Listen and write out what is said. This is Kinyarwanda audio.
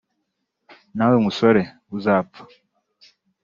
nawe musore uzapfa